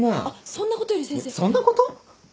そんなこと？